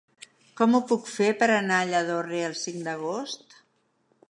Com ho puc fer per anar a Lladorre el cinc d'agost?